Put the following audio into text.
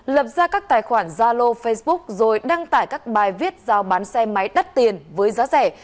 lập ra các tài khoản zalo facebook rồi đăng tải các bài viết giao bán xe máy đắt tiền với giá rẻ